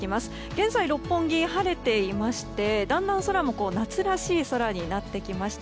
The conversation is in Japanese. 現在、六本木、晴れていましてだんだん空も夏らしい空になってきました。